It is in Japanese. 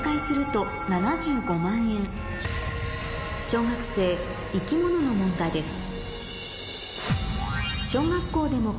小学生生き物の問題です